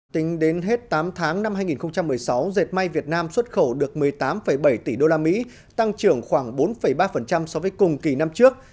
tính đến hết tám tháng năm hai nghìn một mươi sáu dệt may việt nam xuất khẩu được một mươi tám bảy tỷ usd tăng trưởng khoảng bốn ba so với cùng kỳ năm trước